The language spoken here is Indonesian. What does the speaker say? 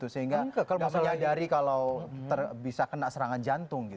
sehingga menyadari kalau bisa kena serangan jantung